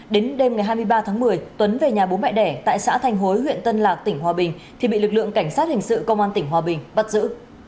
đến đêm ngày hai mươi ba tháng một mươi tuấn về nhà bố mẹ đẻ tại xã thành hối huyện tân lạc tỉnh hòa bình thì bị lực lượng cảnh sát hình sự công an tỉnh hòa bình bắt giữ